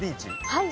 はい。